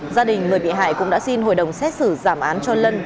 gia đình người bị hại cũng đã xin hội đồng xét xử giảm án cho lân